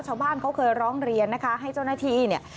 ชาวบ้านเขาเคยร้องเรียนนะคะให้เจ้าหน้าที่เนี่ย